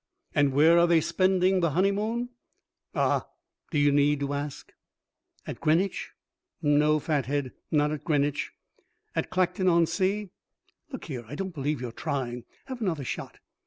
And where are they spending the honeymoon? Ah, do you need to ask? "At Greenwich?" No, fathead, not at Greenwich. "At Clacton on Sea?" Look here, I don't believe you're trying. Have another shot....